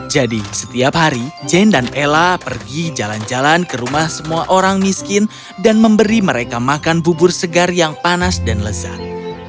jadi setiap hari jane dan ella pergi jalan jalan ke rumah semua orang miskin dan memberi mereka makan bubur segar yang panas dan lezat